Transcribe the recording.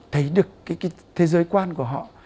thấy được cái thế giới quan của họ